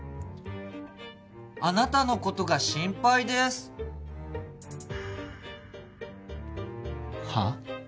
あなたのことが心配ですはっ？